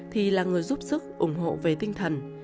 thì là người giúp sức ủng hộ về tinh thần